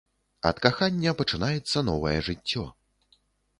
Ад кахання пачынаецца новае жыццё.